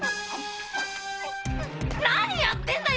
何やってんだよ！